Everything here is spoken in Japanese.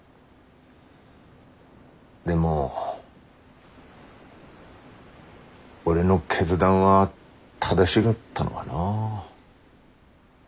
でも俺の決断は正しがったのがなあ。